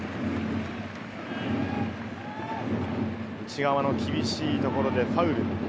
内側の厳しいところでファウル。